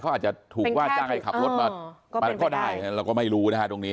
เขาอาจจะถูกว่าจ้างให้ขับรถมาก็ได้เราก็ไม่รู้นะฮะตรงนี้